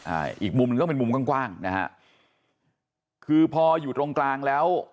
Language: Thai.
อ่าอีกมุมหนึ่งก็เป็นมุมกว้างกว้างนะฮะคือพออยู่ตรงกลางแล้ว